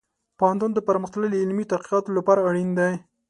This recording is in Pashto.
پوهنتون د پرمختللې علمي تحقیق لپاره اړین دی.